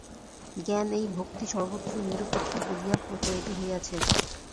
জ্ঞান ওই ভক্তি সর্বত্র নিরপেক্ষ বলিয়া প্রচারিত হইয়াছে।